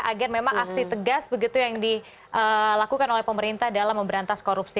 agar memang aksi tegas begitu yang dilakukan oleh pemerintah dalam memberantas korupsi